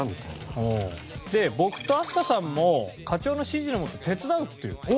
で僕と飛鳥さんも課長の指示のもと手伝うっていう。